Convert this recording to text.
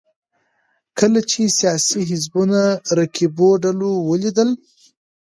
کله چې سیاسي حزبونو رقیبو ډلو ولیدل